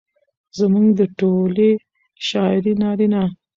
زموږ د ټولې شاعرۍ نارينه